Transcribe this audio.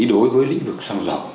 đối với lĩnh vực xăng dầu